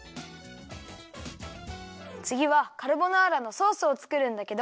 つぎはカルボナーラのソースをつくるんだけど。